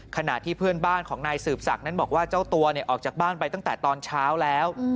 ขณะที่เพื่อนบ้านของนายสืบศักดิ์นั้นบอกว่าเจ้าตัวออกจากบ้านไปตั้งแต่ตอนเช้าแล้ว